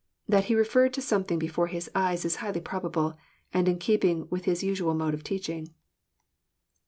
That he referred to something before His eyes is highly probable, and in keep ing with His usual mode of teaching.